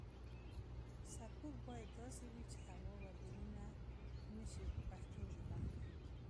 سرپوښ باید داسې وي چې هوا ور دننه نشي په پښتو ژبه.